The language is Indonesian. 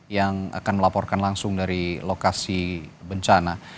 yang akan melaporkan langsung dari lokasi bencana